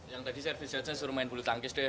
yang tadi service suruh main bulu tangkis deh